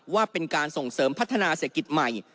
ว่าเป็นการส่งเสริมพัฒนาเศรษฐกิจใหม่